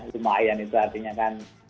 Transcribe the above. lumayan itu artinya kan